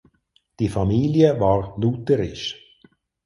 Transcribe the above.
Die Familie war lutherisch.